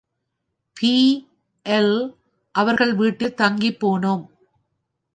BL., அவர்கள் வீட்டில் தங்கிப் போனோம்.